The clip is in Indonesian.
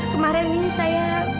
kemarin ini saya